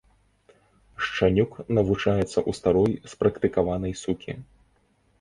Шчанюк навучаецца ў старой спрактыкаванай сукі.